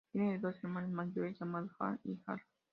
Tiene dos hermanos mayores llamados Hay y Hal.